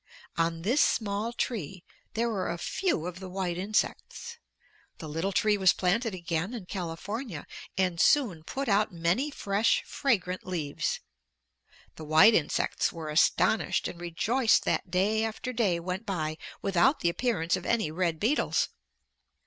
On this small tree there were a few of the white insects. The little tree was planted again in California and soon put out many fresh fragrant leaves. The white insects were astonished and rejoiced that day after day went by without the appearance of any red beetles.